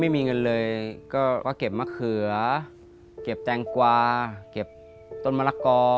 ไม่มีเงินเลยก็เก็บมะเขือเก็บแตงกวาเก็บต้นมะละกอ